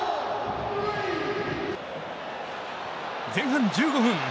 前半１５分。